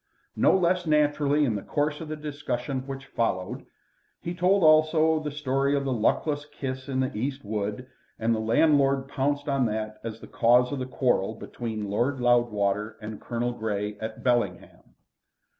No less naturally in the course of the discussion which followed, he told also the story of the luckless kiss in the East wood, and the landlord pounced on that as the cause of the quarrel between Lord Loudwater and Colonel Grey at Bellingham.